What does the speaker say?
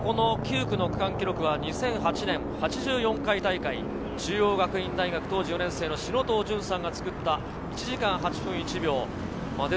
９区の区間記録は２００８年８４回大会、中央学院大学、当時４年生の篠藤淳さんが作った１時間８分１秒。